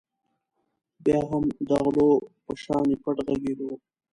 خو بیا هم د غلو په شانې پټ غږېدو.